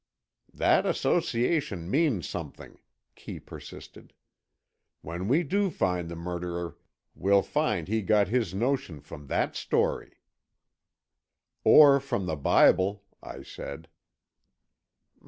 "That association means something," Kee persisted. "When we do find the murderer, we'll find he got his notion from that story." "Or from the Bible," I said.